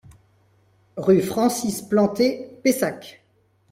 Rue Francis Planté, Pessac